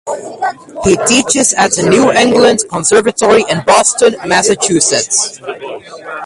He teaches at the New England Conservatory in Boston, Massachusetts.